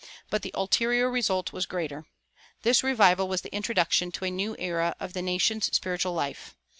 But the ulterior result was greater. This revival was the introduction to a new era of the nation's spiritual life.